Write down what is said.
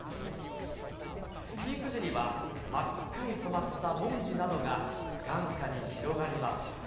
ピーク時には、真っ赤に染まったもみじなどが眼下に広がります。